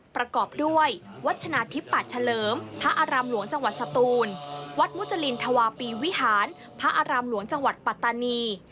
ประกอบด้วยวัดชนะทิพย์ปัดเฉลิมพระอารามหลวงจังหวัดสตูนวัดมุจรินธวาปีวิหารพระอารามหลวงจังหวัดปัตตานี